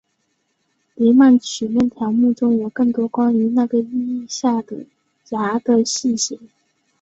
黎曼曲面条目中有更多关于那个意义下的芽的细节。